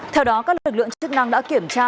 theo đó các lực lượng chức năng đã kiểm tra